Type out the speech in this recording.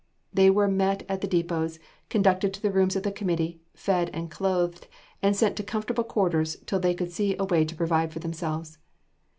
They were met at the depots, conducted to the rooms of the committee, fed and clothed, and sent to comfortable quarters till they could see a way to provide for themselves.